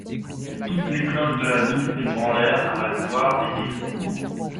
Et toutes les cloches de la ville s'ébranlèrent à la gloire des Héricourt.